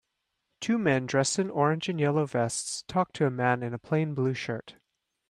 Two men dressed in orange and yellow vests talk to a man in a plain blue shirt.